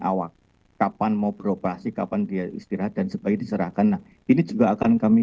awak kapan mau beroperasi kapan dia istirahat dan sebagainya diserahkan nah ini juga akan kami